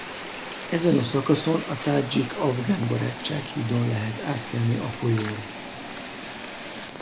Ezen a szakaszon a Tádzsik-Afgán Barátság-hídon lehet átkelni a folyón.